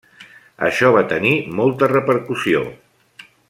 Això va tenir molta repercussió.